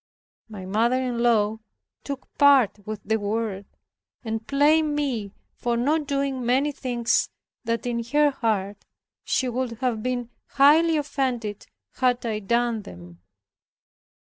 My mother in law took part with the world, and blamed me for not doing many things that in her heart she would have been highly offended had I done them.